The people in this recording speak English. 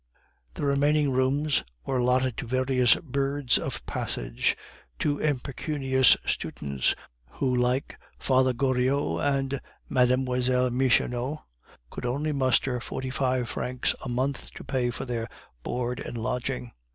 The remaining rooms were allotted to various birds of passage, to impecunious students, who like "Father Goriot" and Mlle. Michonneau, could only muster forty five francs a month to pay for their board and lodging.